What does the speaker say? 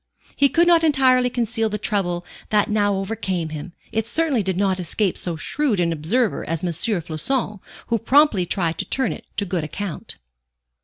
He could not entirely conceal the trouble that now overcame him; it certainly did not escape so shrewd an observer as M. Floçon, who promptly tried to turn it to good account.